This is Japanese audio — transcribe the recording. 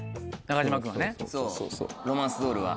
ロマンスドールは。